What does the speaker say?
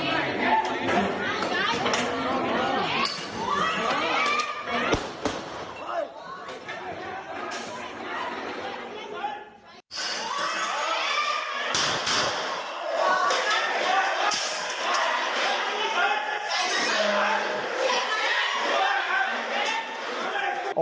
เออ